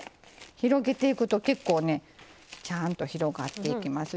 広げていくと結構ねちゃんと広がっていきますしね。